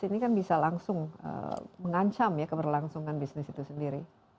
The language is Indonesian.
ini kan bisa langsung mengancam ya keberlangsungan bisnis itu sendiri